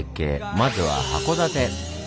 まずは函館！